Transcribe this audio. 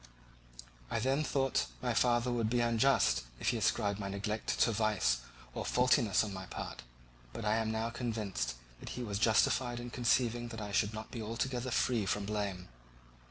I then thought that my father would be unjust if he ascribed my neglect to vice or faultiness on my part, but I am now convinced that he was justified in conceiving that I should not be altogether free from blame.